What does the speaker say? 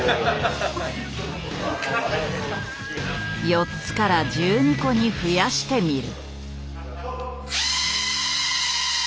４つから１２個に増やしてみる。